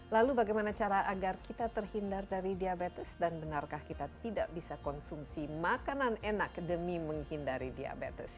lalu bagaimana cara agar kita terhindar dari diabetes dan benarkah kita tidak bisa konsumsi makanan enak demi menghindari diabetes